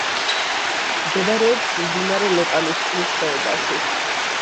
მდებარეობს მდინარე ლოპანისწყლის ხეობაში.